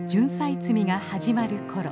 摘みが始まる頃。